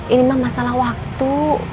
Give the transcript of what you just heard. ini mah masalah waktu